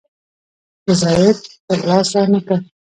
رضاییت تر لاسه نه کړ.